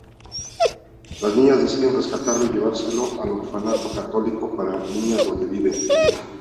Las niñas deciden rescatarlo y llevárselo al orfanato católico para niñas donde viven.